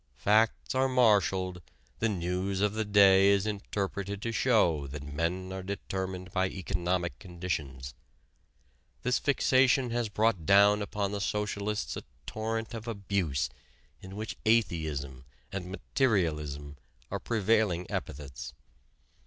Facts are marshaled, the news of the day is interpreted to show that men are determined by economic conditions. This fixation has brought down upon the socialists a torrent of abuse in which "atheism" and "materialism" are prevailing epithets.